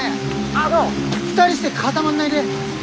あど２人して固まんないで。